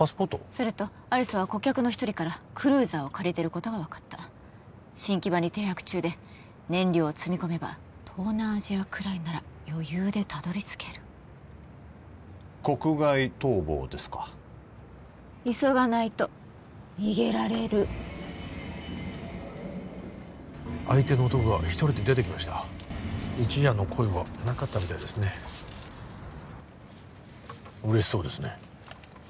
それと亜理紗は顧客の一人からクルーザーを借りてることが分かった新木場に停泊中で燃料を積み込めば東南アジアくらいなら余裕でたどり着ける国外逃亡ですか急がないと逃げられる相手の男が一人で出てきました一夜の恋はなかったみたいですね嬉しそうですね